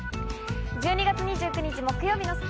１２月２９日木曜日の『スッキリ』です。